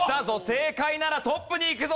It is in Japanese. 正解ならトップにいくぞ。